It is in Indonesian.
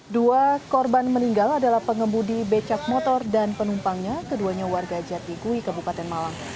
dua korban meninggal adalah pengemudi becak motor dan penumpangnya keduanya warga jatigui kabupaten malang